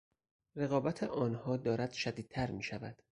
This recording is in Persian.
رقابت آنها دارد شدیدتر میشود.